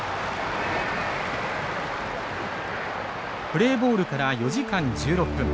プレーボールから４時間１６分。